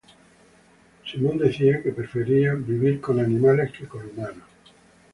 Simon decía que prefería "vivir con animales que con humanos".